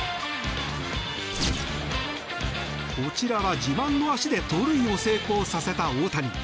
こちらは自慢の足で盗塁を成功させた大谷。